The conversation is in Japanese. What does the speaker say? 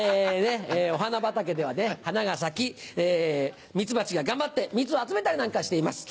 お花畑では花が咲きミツバチが頑張って蜜を集めたりなんかしています。